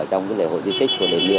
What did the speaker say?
ở trong lễ hội di tích của đất nước